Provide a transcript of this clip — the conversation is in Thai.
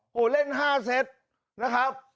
โหเล่น๕เซตครับ